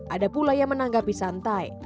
ada pula yang menanggapi santai